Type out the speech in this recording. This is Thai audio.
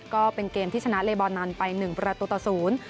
ก็เป็นเกมที่ชนะเรย์บอลนานไป๑ประตูตะศูนย์